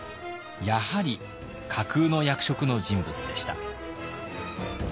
やはり架空の役職の人物でした。